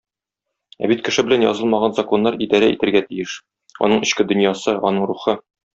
Ә бит кеше белән язылмаган законнар идарә итәргә тиеш, аның эчке дөньясы, аның рухы.